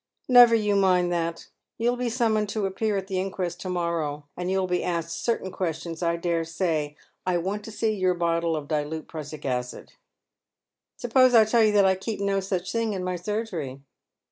" "Never you mind that. You'll be summoned to appear at the inquest to morrow, and you'll be asked certain ques'/ions, I dare say. I want to see your bottle of dilute prussic acid." " Suppose I tell vou that I keep no such thing in my sur gery?"